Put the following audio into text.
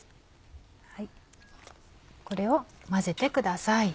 これを混ぜてください。